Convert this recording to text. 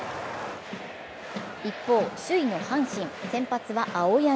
一方、首位の阪神、先発は青柳。